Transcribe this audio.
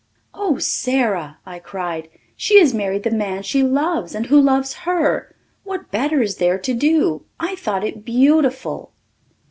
"Oh, Sara," I cried, "she has married the man she loves and who loves her. What better is there to do? I thought it beautiful."